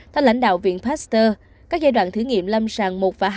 theo lãnh đạo viện pasteur các giai đoạn thử nghiệm lâm sàng một và hai